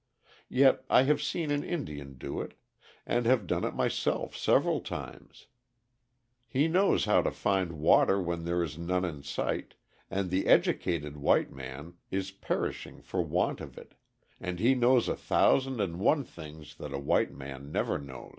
Yet I have seen an Indian do it, and have done it myself several times. He knows how to find water when there is none in sight and the educated white man is perishing for want of it, and he knows a thousand and one things that a white man never knows.